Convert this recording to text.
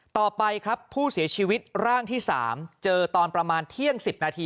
ต่อไปครับผู้เสียชีวิตร่างที่๓เจอตอนประมาณเที่ยง๑๐นาที